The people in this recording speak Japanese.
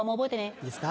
いいですか？